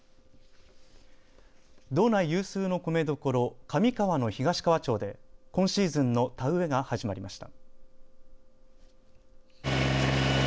道内有数の米どころ上川の東川町で今シーズンの田植えが始まりました。